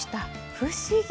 不思議！